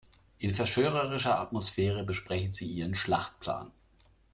In verschwörerischer Atmosphäre besprechen sie ihren Schlachtplan.